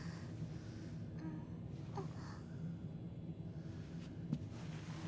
あっ。